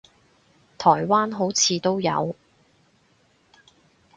台灣好似都有